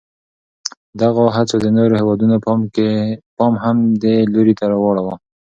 دغو هڅو د نورو هېوادونو پام هم دې لوري ته واړاوه.